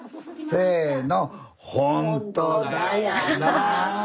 せの！